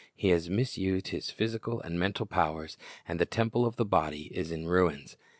He has misused his physical and mental powers, and the temple of the body is in ruins.